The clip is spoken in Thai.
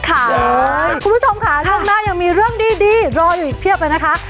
คุณผู้ชมค่ะช่วงหน้ายังมีเรื่องดีรออยู่อีกเพียบเลยนะคะ